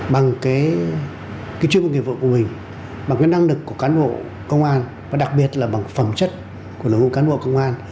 bằng cái chuyên môn nghiệp vụ của mình bằng cái năng lực của cán bộ công an và đặc biệt là bằng phẩm chất của đội ngũ cán bộ công an